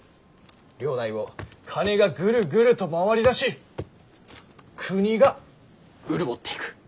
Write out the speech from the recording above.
領内を金がぐるぐると回りだし国が潤っていく。